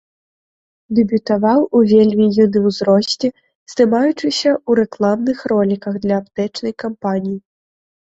Дэбютаваў у вельмі юным узросце, здымаючыся ў рэкламных роліках для аптэчнай кампаніі.